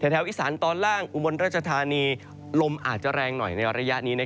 แถวอีสานตอนล่างอุบลราชธานีลมอาจจะแรงหน่อยในระยะนี้